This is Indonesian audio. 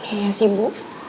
iya sih bu